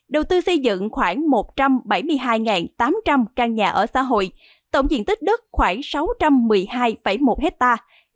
đầu tư xây dựng khoảng một trăm bảy mươi hai tám trăm linh căn nhà ở xã hội tổng diện tích đất khoảng sáu trăm một mươi hai một hectare